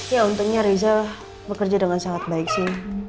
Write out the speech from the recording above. ya untungnya reza bekerja dengan sangat baik sih